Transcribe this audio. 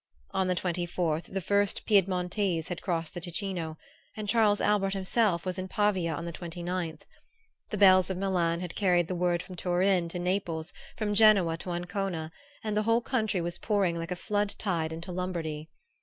On the twenty fourth the first Piedmontese had crossed the Ticino, and Charles Albert himself was in Pavia on the twenty ninth. The bells of Milan had carried the word from Turin to Naples, from Genoa to Ancona, and the whole country was pouring like a flood tide into Lombardy.